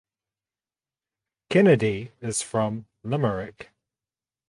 Kennedy is from Limerick.